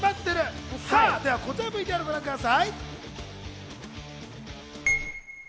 それでは、こちらのＶＴＲをご覧ください。